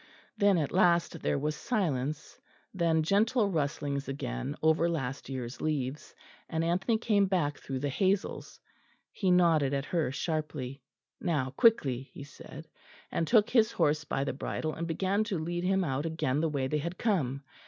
Then at last there was silence; then gentle rustlings again over last year's leaves; and Anthony came back through the hazels. He nodded at her sharply. "Now, quickly," he said, and took his horse by the bridle and began to lead him out again the way they had come.